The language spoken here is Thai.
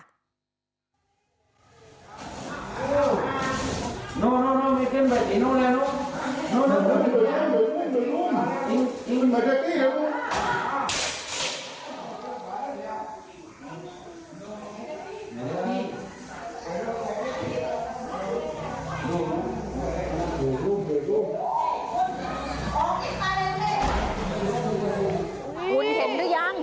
คุณเห็นหรือยัง